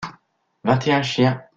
Vingt et un chiens.